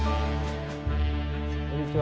こんにちは。